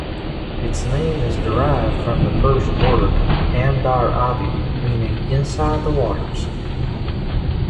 Its name is derived from the Persian word "Andar-abi" meaning "Inside the waters".